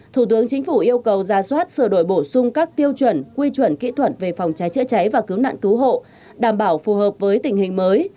thủ tướng chính phủ yêu cầu ra soát sửa đổi bổ sung các tiêu chuẩn quy chuẩn kỹ thuật về phòng cháy chữa cháy và cứu nạn cứu hộ đảm bảo phù hợp với tình hình mới